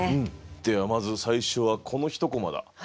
ではまず最初はこの１コマだ。